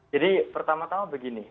jadi pertama tama begini